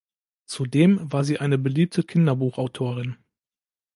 Zudem war sie eine beliebte Kinderbuchautorin.